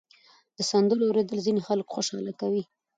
د سندرو اورېدل ځینې خلک خوشحاله کوي.